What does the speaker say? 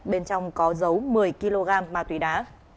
bên trong có dấu một mươi kg ma túy đá